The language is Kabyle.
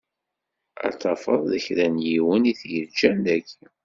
Ad tafeḍ d kra n yiwen i t-yeǧǧan daki.